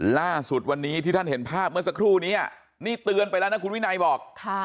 ล่าสุดวันนี้ที่ท่านเห็นภาพเมื่อสักครู่นี้นี่เตือนไปแล้วนะคุณวินัยบอก